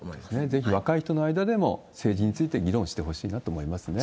ぜひ若い人の間でも、政治について議論してほしいなと思いますね。